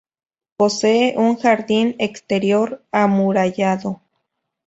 Posee un jardín exterior amurallado.